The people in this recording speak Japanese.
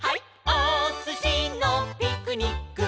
おすしのピクニック」